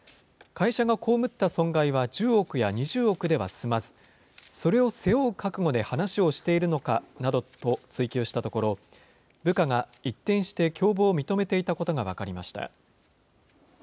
会社が被った損害は１０億や２０億では済まず、それを背負う覚悟で話をしているのかなどと追及したところ、部下が一転して共謀を認めていたことが分かりました。